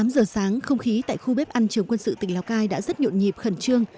tám giờ sáng không khí tại khu bếp ăn trường quân sự tỉnh lào cai đã rất nhộn nhịp khẩn trương